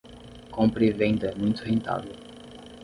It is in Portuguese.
Compra e venda é muito rentável